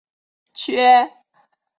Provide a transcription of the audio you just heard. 缺点为环道设计容易造成车流回堵。